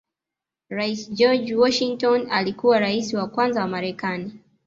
Rais George Washington alikuwa Rais wa kwanza wa marekani